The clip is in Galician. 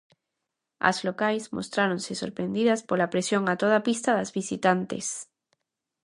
As locais mostráronse sorprendidas pola presión a toda pista das visitantes.